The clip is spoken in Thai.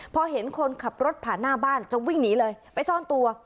พอเห็นคนขับรถผ่านหน้าบ้านจะวิ่งหนีเลยไปซ่อนตัว